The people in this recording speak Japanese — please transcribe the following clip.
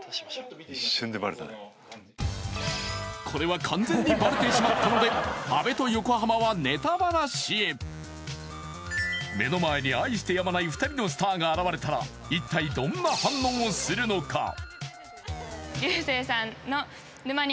これは完全にバレてしまったので阿部と横浜はネタばらしへ目の前に愛してやまない２人のスターが現れたら一体どんな反応をするのか？